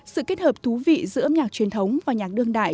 sự kết hợp thú vị giữa nhạc truyền thống và nhạc đương đại